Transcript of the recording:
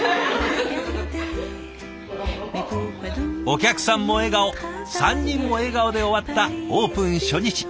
お客さんも笑顔３人も笑顔で終わったオープン初日。